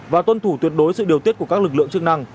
và tuân thủ tuyệt đối sự điều tiết của các lực lượng chức năng